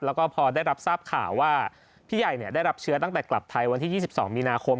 แล้วก็พอได้รับทราบข่าวว่าพี่ใหญ่ได้รับเชื้อตั้งแต่กลับไทยวันที่๒๒มีนาคม